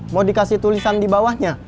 mau dikasih tulisan dibawahnya